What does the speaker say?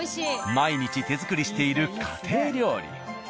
毎日手作りしている家庭料理。